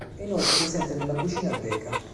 È inoltre presente nella cucina greca.